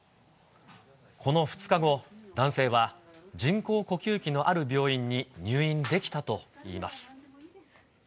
この２日後、男性は人工呼吸器のある病院に入院できたといいます。